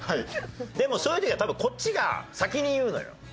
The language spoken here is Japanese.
でもそういう時は多分こっちが先に言うのよ。